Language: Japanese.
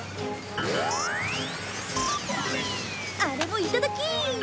あれもいただき！